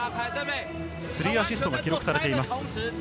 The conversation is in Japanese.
スリーアシストが記録されています。